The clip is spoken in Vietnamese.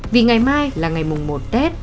vì ngày mai là ngày mùng một tết